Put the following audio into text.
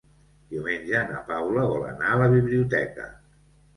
Diumenge na Paula vol anar a la biblioteca.